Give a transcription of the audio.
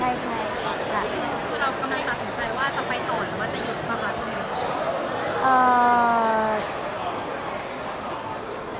คือเรากำลังตัดสินใจว่าจะไปต่อหรือว่าจะหยุดความรักของเธอ